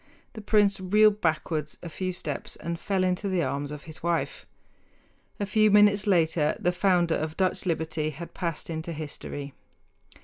The prince reeled backward a few steps and fell into the arms of his wife. A few minutes later the founder of Dutch liberty had passed into history.